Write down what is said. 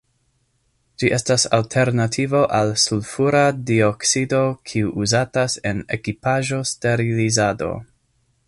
Ĝi estas alternativo al sulfura duoksido kiu uzatas en ekipaĵo-sterilizado.